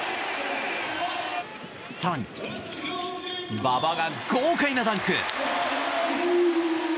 更に馬場が豪快なダンク！